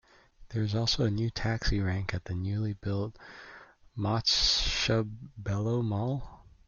There is also a new taxi rank at the newly built Botshabelo Mall.